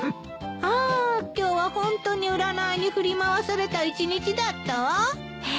あ今日は本当に占いに振り回された一日だったわ。え？